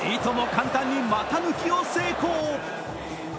簡単に股抜きを成功。